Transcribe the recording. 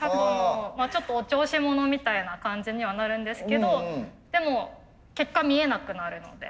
ちょっとお調子者みたいな感じにはなるんですけどでも結果見えなくなるので。